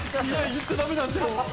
言っちゃ駄目なんだよ。